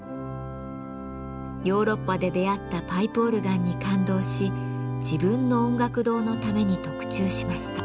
ヨーロッパで出会ったパイプオルガンに感動し自分の音楽堂のために特注しました。